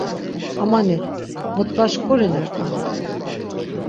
Amani mot gaşǩurinert̆an.